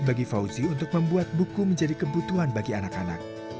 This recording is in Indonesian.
bagi fauzi untuk membuat buku menjadi kebutuhan bagi anak anak